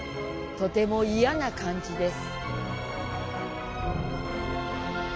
「とてもいやな感じです」。